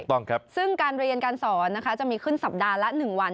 แล้วก็ได้เจอเพื่อนด้วยซึ่งการเรียนการสอนนะคะจะมีขึ้นสัปดาห์ละ๑วัน